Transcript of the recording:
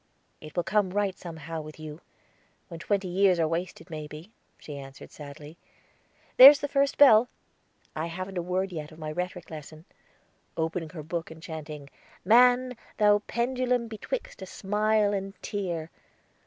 "It will come right somehow, with you; when twenty years are wasted, maybe," she answered sadly. "There's the first bell! I haven't a word yet of my rhetoric lesson," opening her book and chanting, "'Man, thou pendulum betwixt a smile and tear.'